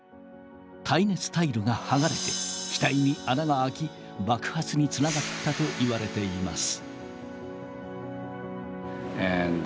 耐熱タイルが剥がれて機体に穴が開き爆発につながったといわれています。